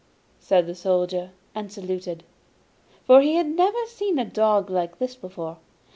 said the Soldier and saluted, for he had never seen a dog like this before.